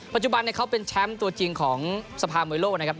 ปัจจุบันเขาเป็นแชมป์ตัวจริงของสภามวยโลกนะครับ